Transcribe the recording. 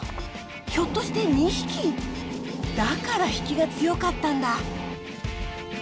ひょっとして２匹？だから引きが強かったんだ。